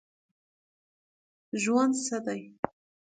ژوند څه دی ؟